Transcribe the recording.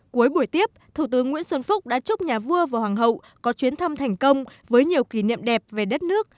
cuối buổi tiếp thủ tướng nguyễn xuân phúc đã chúc nhà vua và hoàng hậu có chuyến thăm thành công với nhiều kỷ niệm đẹp về đất nước